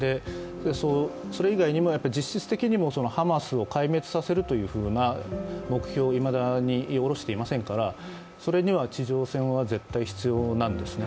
それ以外にも実質的にハマスを壊滅させるという目的をいまだに降ろしていませんからそれには地上戦は絶対に必要なんですね。